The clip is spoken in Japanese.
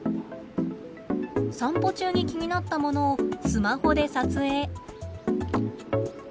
散歩中に気になったものをスマホで撮影。